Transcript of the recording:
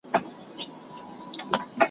لا یې ښه تر زامي نه وه رسولې ,